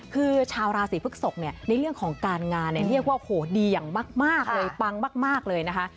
คือชาวราศีพฤกษกเนี่ยในเรื่องของการงานเนี่ยเรียกว่าโหดีอย่างมากเลยปังมากเลยนะคะ